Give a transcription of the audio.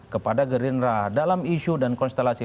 kepada gerindra dalam isu dan konstelasi